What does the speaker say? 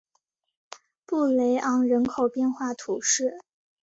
布雷昂人口变化图示